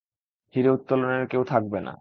হীরে উত্তোলনের কেউ থাকবে না।